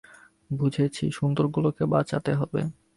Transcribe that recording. বুঝেছি, সুন্দরগুলোকে বাঁচাতে হবে।